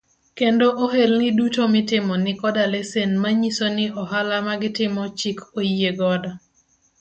Kendo ohelni duto mitimo ni koda lesen manyiso ni ohala magitimo chik oyie godo.